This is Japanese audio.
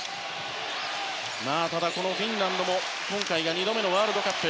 ただ、フィンランドも今回が２度目のワールドカップ。